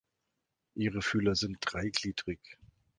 Ihre Fühler sind dreigliedrig.